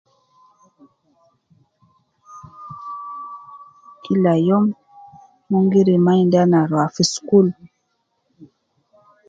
Kila youm mon gi remind ana rua fi school